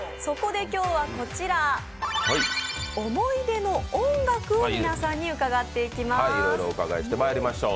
そこで今日は思い出の音楽を皆さんに伺っていきます。